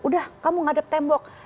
udah kamu ngadep tembok